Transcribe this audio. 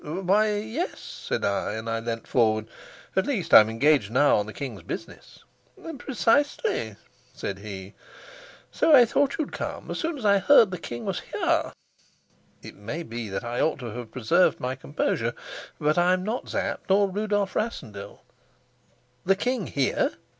"Why, yes," said I, and I leaned forward. "At least I'm engaged now on the king's business." "Precisely," said he. "So I thought you'd come, as soon as I heard that the king was here." It may be that I ought to have preserved my composure. But I am not Sapt nor Rudolf Rassendyll. "The king here?"